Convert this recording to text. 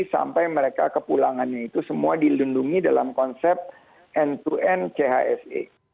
sampai mereka kepulangannya itu semua dilindungi dalam konsep n dua n chse